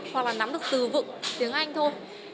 hoặc là nắm được từ vựng tiếng anh thôi